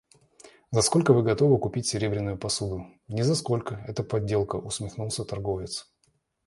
«За сколько вы готовы купить серебряную посуду?» — «Ни за сколько, это подделка», усмехнулся торговец.